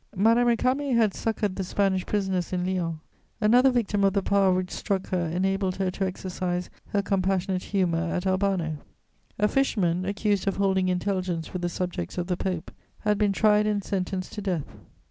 Madame Récamier had succoured the Spanish prisoners in Lyons; another victim of the power which struck her enabled her to exercise her compassionate humour at Albano: a fisherman, accused of holding intelligence with the subjects of the Pope, had been tried and sentenced to death.